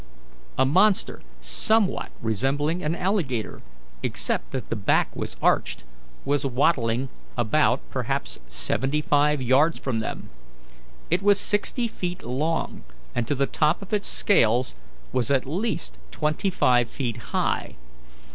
A monster, somewhat resembling an alligator, except that the back was arched, was waddling about perhaps seventy five yards from them. It was sixty feet long, and to the top of its scales was at least twenty five feet high.